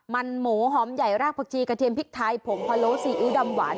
มันหมูหอมใหญ่รากผักชีกระเทียมพริกไทยผงพะโล้ซีอิ๊วดำหวาน